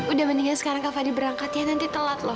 udah mendingan sekarang kak fadil berangkat ya nanti telat loh